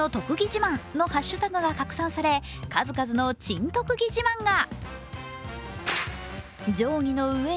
自慢のハッシュタグが拡散され数々の珍特技自慢が。